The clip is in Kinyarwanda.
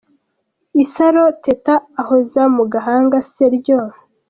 Isaro Teta ahoza mu gahanga se ryo.